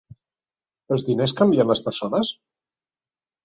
Els diners canvien les persones?